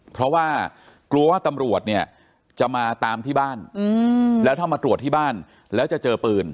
เพราะว่ากลัวว่าตำรวจเนี่ยจะมาตามที่บ้านแล้วถ้ามาตรวจที่บ้านแล้วจะเจอปืน